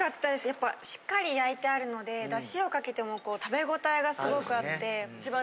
やっぱしっかり焼いてあるので、だしをかけても食べ応えがすごくあって。